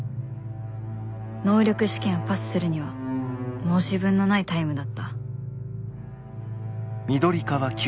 能力試験をパスするには申し分のないタイムだった